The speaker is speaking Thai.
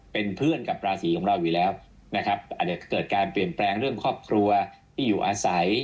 เป็นเพื่อนกับราศีของเราอยู่แล้วนะครับอาจจะเกิดการเปลี่ยนแปลงเรื่องครอบครัวที่อยู่อาศัย